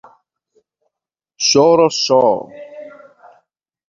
Chorrochó